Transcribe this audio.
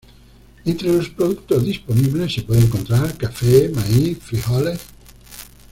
Entre los productos disponibles se puede encontrar: Cafe, Maiz, Frijoles.